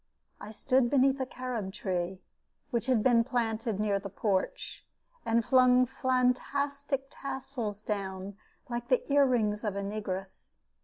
I stood beneath a carob tree, which had been planted near the porch, and flung fantastic tassels down, like the ear rings of a negress.